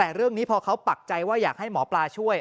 แต่เรื่องนี้พอเขาปักใจว่าอยากให้หมอปลาช่วย